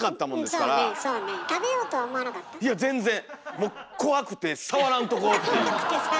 もう怖くて触らんとこっていう。